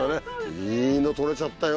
いいの撮れちゃったよ